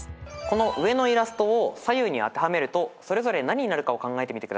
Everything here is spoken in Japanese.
この上のイラストを左右に当てはめるとそれぞれ何になるかを考えてみてください。